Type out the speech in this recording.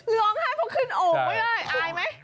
ร้องให้พวกขึ้นโอ้งก็ได้อายไหม